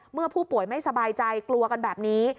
เมื่อผู้ป่วยไม่สบายใจกลัวกันแบบนี้